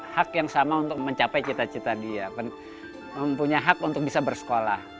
hak yang sama untuk mencapai cita cita dia mempunyai hak untuk bisa bersekolah